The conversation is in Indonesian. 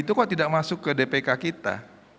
itu kok tidak masuk ke dpk kita